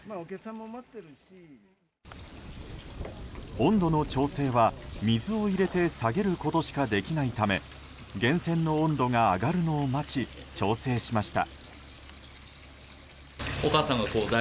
温度の調整は水を入れて下げることしかできないため源泉の温度が上がるのを待ち調整しました。